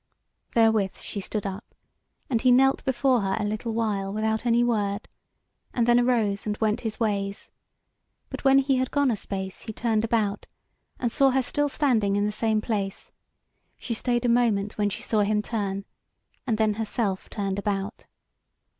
Therewith she stood up, and he knelt before her a little while without any word, and then arose and went his ways; but when he had gone a space he turned about, and saw her still standing in the same place; she stayed a moment when she saw him turn, and then herself turned about.